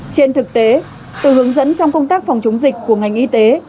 trên thực tế từ hướng dẫn trong công tác phòng chống dịch của ngành y tế